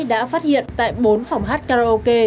đã phát hiện tại bốn phòng hát karaoke